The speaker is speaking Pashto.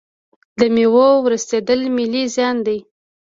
د میوو ورستیدل ملي زیان دی.